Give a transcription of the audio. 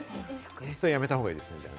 それはやめた方がいいですよね？